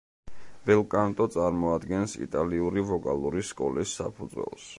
ბელკანტო წარმოადგენს იტალიური ვოკალური სკოლის საფუძველს.